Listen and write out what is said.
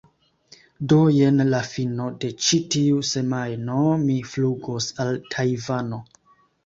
do jen la fino de ĉi tiu semajno mi flugos al Tajvano